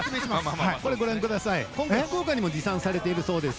福岡にも持参されているそうです。